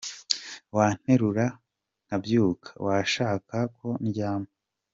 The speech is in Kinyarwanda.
Wanterura nkabyuka Washaka ko ndyama.